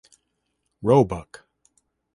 Roebuck.